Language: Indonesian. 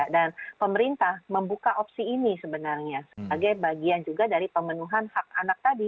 dan pemerintah membuka opsi ini sebenarnya sebagai bagian juga dari pemenuhan hak anak tadi